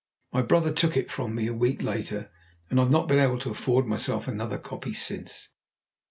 My brother took it from me a week later, and I have not been able to afford myself another copy since."